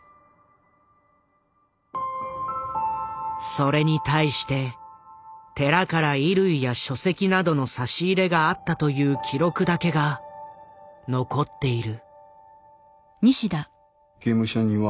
それに対して寺から衣類や書籍などの差し入れがあったという記録だけが残っている。